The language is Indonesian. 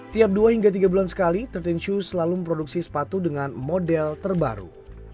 tiap dua hingga tiga bulan sekali tretin shu selalu memproduksi sepatu dengan model terbaru